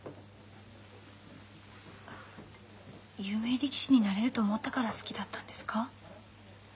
有名力士になれると思ったから好きだったんですか？